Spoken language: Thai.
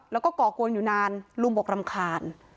แล้วก็ก่อกวนอยู่นานลุงบอกรำคาญ